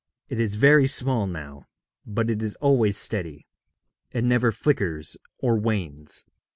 It is very small now, but it is always steady; it never flickers or wanes.